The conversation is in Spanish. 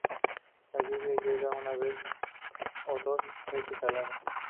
La lluvia llega una vez o dos veces al año.